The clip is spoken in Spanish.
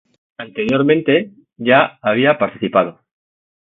Anteriormente ya había participado.